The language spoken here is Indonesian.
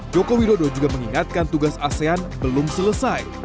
jokowi dodo juga mengingatkan tugas asean belum selesai